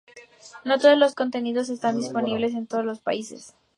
No todos los contenidos están disponibles en todos los países.